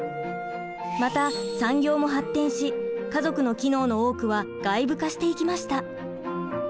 また産業も発展し家族の機能の多くは外部化していきました。